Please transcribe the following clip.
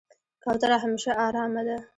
کوتره همیشه آرامه ده.